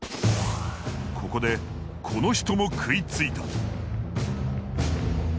ここでこの人も食いついた！